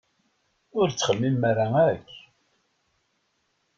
Ur ttxemmimen ara akk!